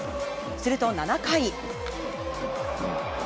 すると、７回。